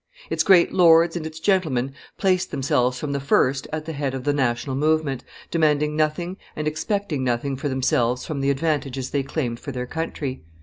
Its great lords and its gentlemen placed themselves from the first at the head of the national movement, demanding nothing and expecting nothing for themselves from the advantages they claimed for their country.